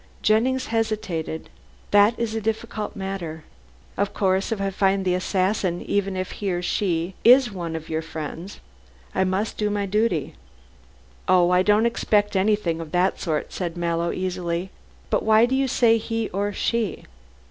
Jennings hesitated. "That is a difficult matter. Of course, if I find the assassin, even if he or she is one of your friends, I must do my duty." "Oh, I don't expect anything of that sort," said Mallow easily, "but why do you say 'he' or 'she'?"